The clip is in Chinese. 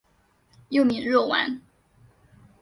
幼名若丸。